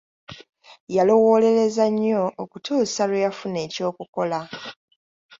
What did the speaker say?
Yalowoolereza nnyo okutuusa lwe yafuna eky'okukola.